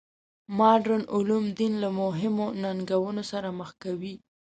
مډرن علوم دین له مهمو ننګونو سره مخ کوي.